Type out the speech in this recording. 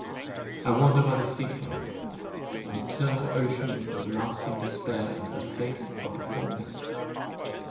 I wander by the sea side; and the eternal ocean and lasting despair and her face are before me.